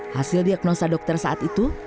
hasil diagnosa dokter saat itu